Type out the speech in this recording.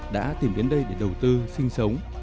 đã tìm đến đây để đầu tư sinh sống